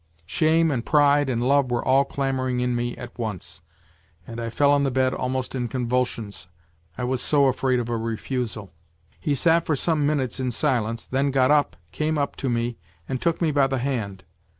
Shame_and_jgride and love were all clamouring in me at dnce7 and'TleU onJbbTe Bed, almost in convulsions, I was so afraid of a refusal^ " He sat for some minutes in silence, then got up, came up to me and took me by the hand.